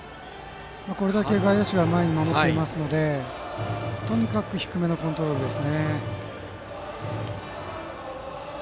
これだけ外野手が前に守っているのでとにかく低めのコントロールです。